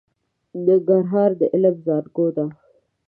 ننګرهار د علم زانګو ده.